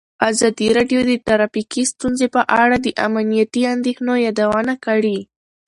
ازادي راډیو د ټرافیکي ستونزې په اړه د امنیتي اندېښنو یادونه کړې.